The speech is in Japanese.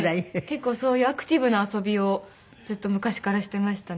結構そういうアクティブな遊びをずっと昔からしてましたね。